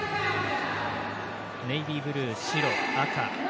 ネイビーブルー、白、赤。